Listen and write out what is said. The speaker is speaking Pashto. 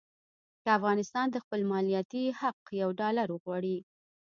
که افغانستان د خپل مالیاتي حق یو ډالر وغواړي.